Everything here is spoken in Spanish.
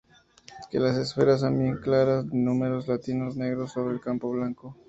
Que las esferas sean bien claras, de números latinos negros sobre campo blanco.